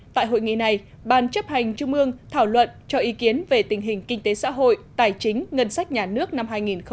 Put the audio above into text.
tại hội nghị này ban chấp hành trung ương thảo luận cho ý kiến về tình hình kinh tế xã hội tài chính ngân sách nhà nước năm hai nghìn một mươi chín